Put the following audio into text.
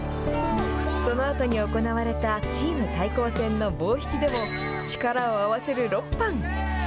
そのあとに行われたチーム対抗戦の棒引きでも力を合わせる６班。